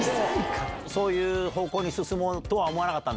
そういう方向に進もうとは思わなかったんだ。